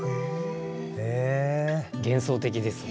幻想的ですね。